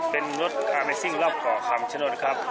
เป็นรถอาร์เมสซิ่งรอบข่อคำชะโนธนะครับ